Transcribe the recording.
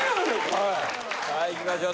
はいいきましょう。